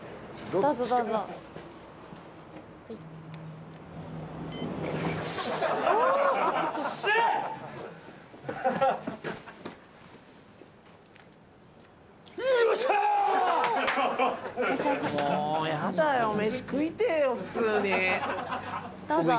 どうぞ。